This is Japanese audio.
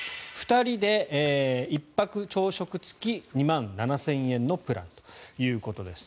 ２人で１泊朝食付き２万７０００円のプランということです。